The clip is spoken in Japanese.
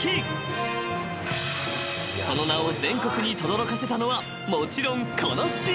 ［その名を全国にとどろかせたのはもちろんこの試合］